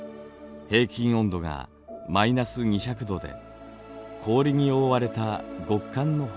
平均温度が−２００度で氷に覆われた極寒の星です。